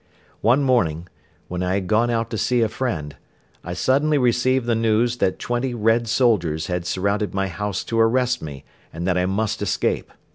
One morning, when I had gone out to see a friend, I suddenly received the news that twenty Red soldiers had surrounded my house to arrest me and that I must escape.